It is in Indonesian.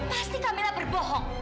ini pasti kamila berbohong